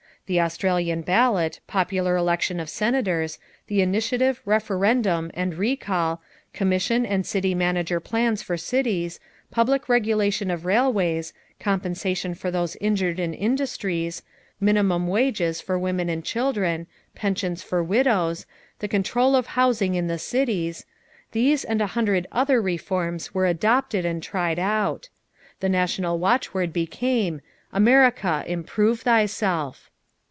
The Australian ballot, popular election of Senators, the initiative, referendum, and recall, commission and city manager plans for cities, public regulation of railways, compensation for those injured in industries, minimum wages for women and children, pensions for widows, the control of housing in the cities these and a hundred other reforms were adopted and tried out. The national watchword became: "America, Improve Thyself."